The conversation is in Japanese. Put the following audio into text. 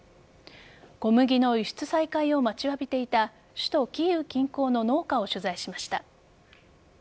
小麦の輸出再開を待ちわびていた首都・キーウ近郊の農家を取材しました。